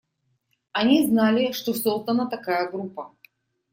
Они знали, что создана такая группа.